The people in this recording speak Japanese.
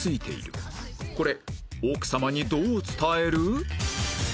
これ奥さまにどう伝える？